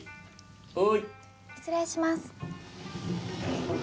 失礼します。